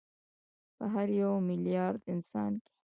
په هر یو میلیارد انسان کې